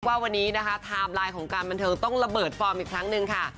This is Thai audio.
ว่าวันนี้นะคะไทม์ไลน์ของการบันเทิงต้องระเบิดฟอร์มอีกครั้งหนึ่งค่ะ